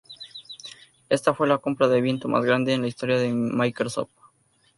Esta fue la compra de viento más grande en la historia de Microsoft.